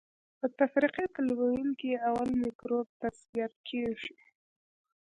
په تفریقي تلوین کې اول مکروب تثبیت کیږي.